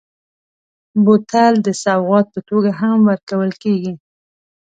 بوتل د سوغات په توګه هم ورکول کېږي.